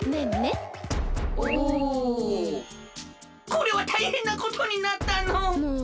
これはたいへんなことになったのう。